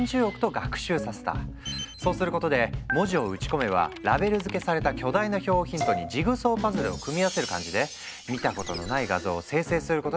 そうすることで文字を打ち込めばラベル付けされた巨大な表をヒントにジグソーパズルを組み合わせる感じで見たことのない画像を生成することができるようになったんだ。